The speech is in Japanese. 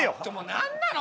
何なの？